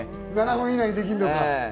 ７分以内にできるのか、へぇ。